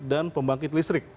dan pembangkit listrik